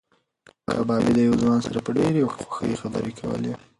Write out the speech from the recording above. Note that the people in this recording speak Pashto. کبابي د یو ځوان سره په ډېرې خوښۍ خبرې کولې.